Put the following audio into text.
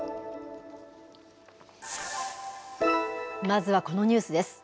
まずはこのニュースです。